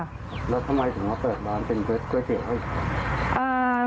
แล้วทำไมถึงมาเปิดร้านเป็นก๋วยเตี๋ยวให้